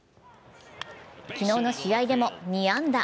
昨日の試合でも２安打。